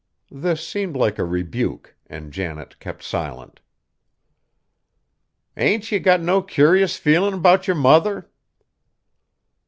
This seemed like a rebuke, and Janet kept silent. "Ain't ye got no curious feelin' 'bout yer mother?"